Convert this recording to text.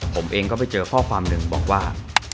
ผมเองก็ไปเจอข้อความหนึ่งบอกว่า